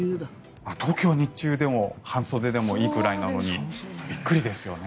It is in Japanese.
東京は日中半袖でもいいぐらいなのにびっくりですよね。